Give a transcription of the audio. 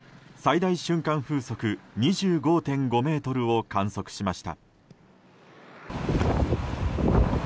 秋田県にかほ市では最大瞬間風速２５．５メートルを観測しました。